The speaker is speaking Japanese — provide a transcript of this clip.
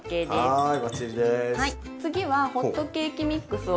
はい。